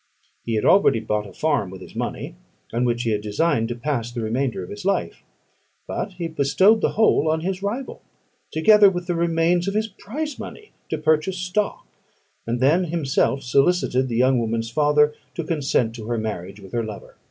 He had already bought a farm with his money, on which he had designed to pass the remainder of his life; but he bestowed the whole on his rival, together with the remains of his prize money to purchase stock, and then himself solicited the young woman's father to consent to her marriage with her lover.